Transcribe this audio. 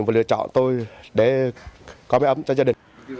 và lựa chọn tôi để có máy ấm cho gia đình